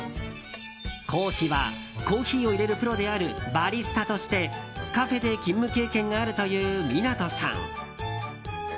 講師はコーヒーを入れるプロであるバリスタとしてカフェで勤務経験があるという湊さん。